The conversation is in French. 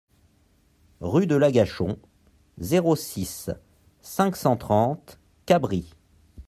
Rue de l'Agachon, zéro six, cinq cent trente Cabris